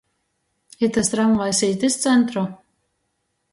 Itys tramvajs īt iz centru?